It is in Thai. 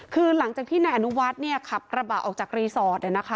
คือหลังจากที่นายอนุวัฒน์ขับกระบะออกจากรีสอร์ท